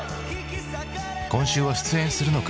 今週は出演するのか？